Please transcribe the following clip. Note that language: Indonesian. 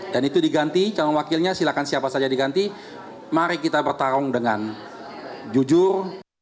dan itu diganti calon wakilnya silahkan siapa saja diganti mari kita bertarung dengan jujur